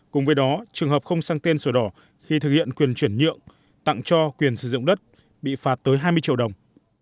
cùng với đó trường hợp không sang tên sổ đỏ khi thực hiện quyền chuyển nhượng tặng cho quyền sử dụng đất bị phạt tới hai mươi triệu đồng